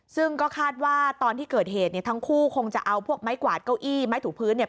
ซึ่งก็คาดว่าตอนที่เกิดเหตุเนี่ยทั้งคู่คงจะเอาพวกไม้กวาดเก้าอี้ไม้ถูพื้นเนี่ย